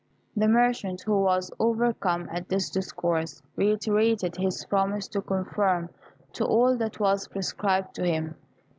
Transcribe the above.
The merchant, who was overcome at this discourse, reiterated his promise to conform to all that was prescribed to him.